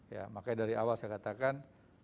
ya makanya dari awal saya katakan